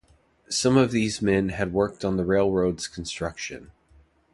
Some of these men had worked on the railroad's construction.